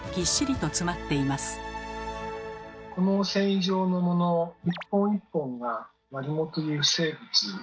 この繊維状の藻の一本一本がマリモという生物なので